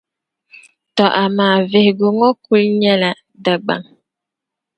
Tɔ amaa vihigu ŋɔ kuli niŋla Dagbaŋ